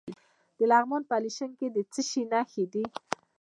د لغمان په الیشنګ کې د څه شي نښې دي؟